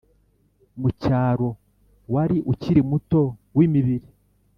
mucyaro wari ukiri muto wimibiri